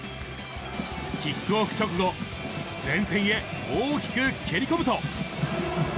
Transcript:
キックオフ直後、前線へ大きく蹴り込むと。